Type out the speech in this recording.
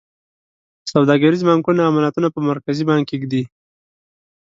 سوداګریز بانکونه امانتونه په مرکزي بانک کې ږدي.